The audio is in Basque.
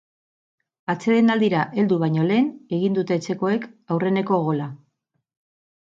Atsedenaldira heldu baino lehen egin dute etxekoek aurreneko gola.